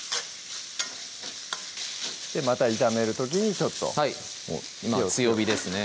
また炒める時にちょっとはい今強火ですね